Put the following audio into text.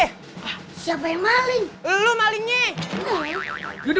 hotel berbintang lo ngadil kadang guna aja lo